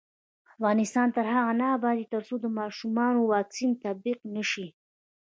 افغانستان تر هغو نه ابادیږي، ترڅو د ماشومانو واکسین تطبیق نشي.